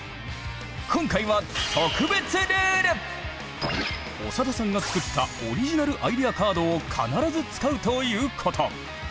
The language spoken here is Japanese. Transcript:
今回は長田さんが作ったオリジナルアイデアカードを必ず使うということ。